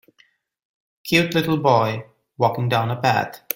Cute little boy walking down a path.